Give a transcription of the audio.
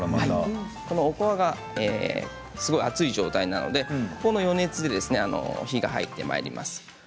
おこわが熱い状態ですのでこの余熱で火が入ってまいります。